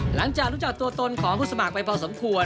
หลังจากรู้จักตัวตนของผู้สมัครไปพอสมควร